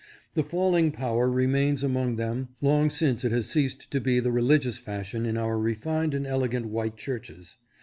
The falling power remains among them long since it has ceased to be the religious fashion in our refined and elegant white churches.